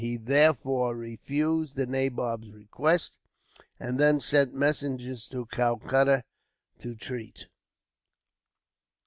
He therefore refused the nabob's request, and then sent messengers to Calcutta, to treat.